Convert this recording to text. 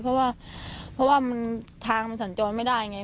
เพราะว่ามันทางมันสัญจรไม่ได้ไง